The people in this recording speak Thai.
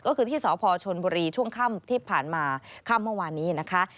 ก็คือที่สพชนบุรีช่วงค่ำที่ผ่านมาค่ำเมื่อวานนี้นะคะ